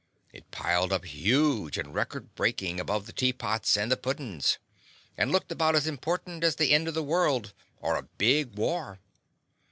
It piled up huge and record breakin' above the tea pots and the puddin's, and looked about as important as the end of the world, or a big war.